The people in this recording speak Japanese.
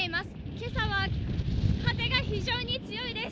今朝は風が非常に強いです。